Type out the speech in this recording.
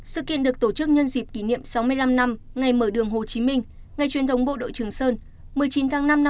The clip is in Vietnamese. sự kiện được tổ chức nhân dịp kỷ niệm sáu mươi năm năm ngày mở đường hồ chí minh ngày truyền thống bộ đội trường sơn